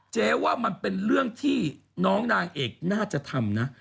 เจ๊ว่ามันเป็นเรื่องที่น้องนางเอกน่าจะทำนะ